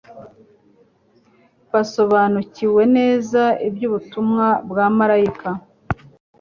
Basobanukiwe neza iby'ubutumwa bwa marayika